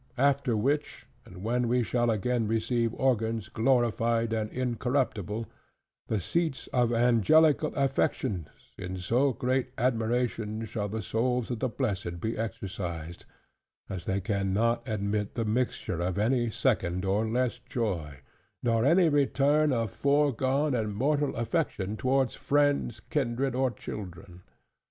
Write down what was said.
After which, and when we shall again receive organs glorified and incorruptible, the seats of angelical affections, in so great admiration shall the souls of the blessed be exercised, as they can not admit the mixture of any second or less joy; nor any return of foregone and mortal affection towards friends, kindred, or children.